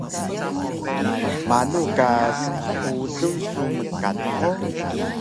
Manu ka skxulun su mkan hug?